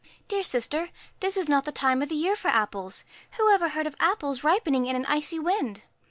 ' Dear sister, this is not the time of the year for apples. Who ever heard of apples ripening in an icy wind